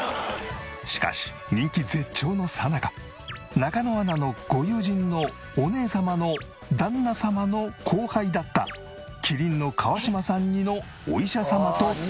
しかし人気絶頂のさなか中野アナのご友人のお姉様の旦那様の後輩だった麒麟の川島さん似のお医者様と電撃結婚。